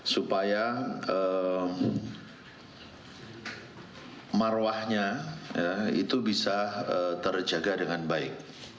supaya marwahnya itu bisa terjaga dengan baik